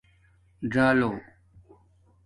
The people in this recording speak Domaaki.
ژَالو